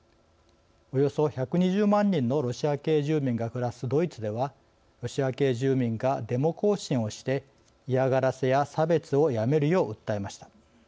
およそ１２０万人のロシア系住民が暮らすドイツではロシア系住民がデモ行進をして嫌がらせや差別をやめるよう訴えました。